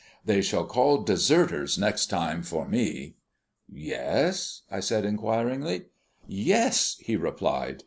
They shall call 'Deserters' next time for me!" "Yes?" I said inquiringly. "Yes," he replied.